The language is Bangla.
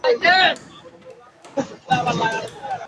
তিনি প্রথমবারের মত কেবল "জোসেফ কনরাড" নামটি ব্যবহার করেছিলেন।